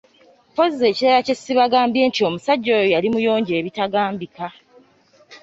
Mpozzi ekirala kye sibagambye nti omusajja oyo yali muyonjo ebitambika.